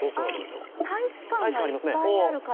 ああ、大使館がいっぱいあるから？